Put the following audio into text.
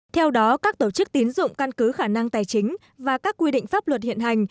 theo đó các tổ chức tín dụng căn cứ khả năng tài chính và các quy định pháp luật hiện hành